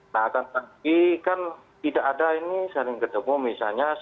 nah tapi kan tidak ada ini saling ketemu misalnya